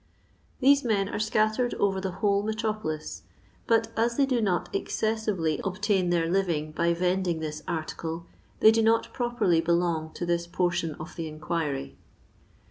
These men are scattered over the whole metro polis, but as they do not exclusively obtain their 86 LONDOy LABOUR AND THB LONDON POOR. li?iog by Tending this article, they do not properly belong to this portion of the inquiry.